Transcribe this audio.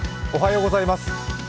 おはようございます。